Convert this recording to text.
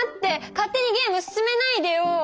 勝手にゲーム進めないでよ！